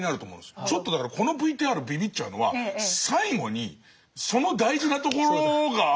ちょっとだからこのＶＴＲびびっちゃうのは最後にその大事なところが。